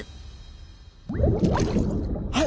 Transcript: はい！